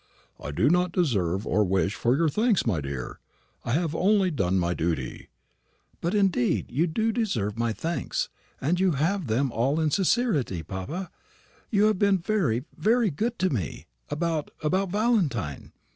"I do not deserve or wish for your thanks, my dear. I have only done my duty." "But, indeed, you do deserve my thanks, and you have them in all sincerity, papa. You have been very, very good to me about about Valentine.